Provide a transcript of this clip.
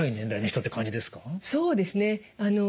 そうですね。